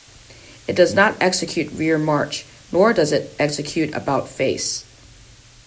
It does not execute rear march, nor does it execute about face.